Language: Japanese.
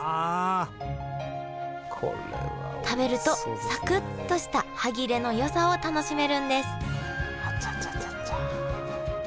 食べるとサクッとした歯切れのよさを楽しめるんですあちゃちゃちゃちゃ。